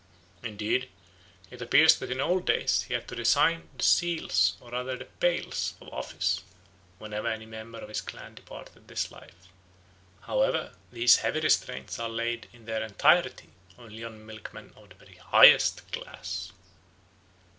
Indeed it appears that in old days he had to resign the seals, or rather the pails, of office whenever any member of his clan departed this life. However, these heavy restraints are laid in their entirety only on milkmen of the very highest class.